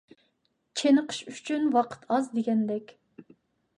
چېنىقىش ئۈچۈن ۋاقىت ئاز دېگەندەك.